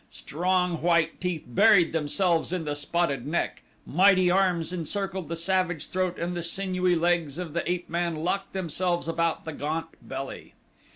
Strong, white teeth buried themselves in the spotted neck, mighty arms encircled the savage throat and the sinewy legs of the ape man locked themselves about the gaunt belly.